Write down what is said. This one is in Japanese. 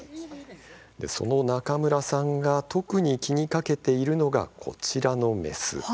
その中村さんが特に気にかけているのがこちらの雌なんです。